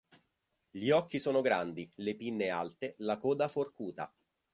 Gli occhi sono grandi, le pinne alte, la coda forcuta.